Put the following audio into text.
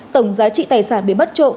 tổng giá trị tài sản bị bắt trộm